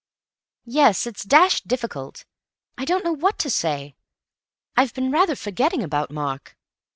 '" "Yes, it's dashed difficult. I don't know what to say. I've been rather forgetting about Mark."